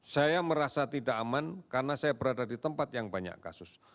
saya merasa tidak aman karena saya berada di tempat yang banyak kasus